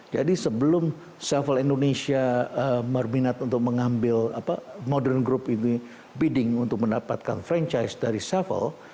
jadi sebelum seville indonesia berminat untuk mengambil modern group ini bidding untuk mendapatkan franchise dari seville